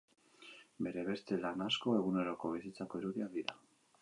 Bere beste lan asko eguneroko bizitzako irudiak dira.